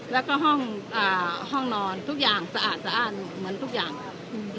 แล้วก็ห้องนอนทุกอย่างสะอาดสะอ้านเหมือนทุกอย่างครับ